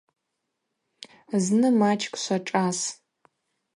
Зны мачӏкӏ швашӏас.